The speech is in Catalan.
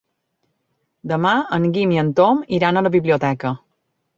Demà en Guim i en Tom iran a la biblioteca.